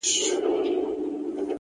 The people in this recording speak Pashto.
هره تجربه د پوهې نوی اړخ څرګندوي!